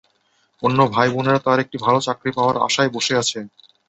অন্য ভাই বোনেরা তাঁর একটি ভালো চাকরি পাওয়ার আশায় বসে আছে।